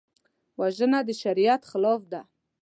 وژنه د شریعت خلاف ده